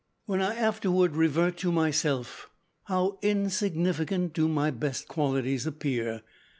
"When I afterward revert to myself, how insignificant do my best qualities appear!